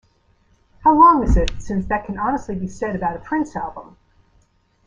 How long is it since that can honestly be said about a Prince album?